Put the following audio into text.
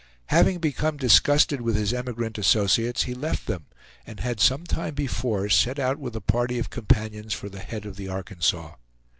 Having become disgusted with his emigrant associates he left them, and had some time before set out with a party of companions for the head of the Arkansas.